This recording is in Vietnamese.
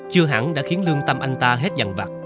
chưa hẳn đã khiến lương tâm anh ta hết dặn vặt